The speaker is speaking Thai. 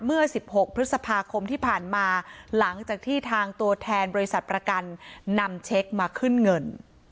เมื่อ๑๖พฤษภาคมที่ผ่านมาหลังจากที่ทางตัวแทนบริษัทประกันนำเช็คมาขึ้นเงิน